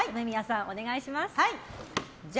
お願いします。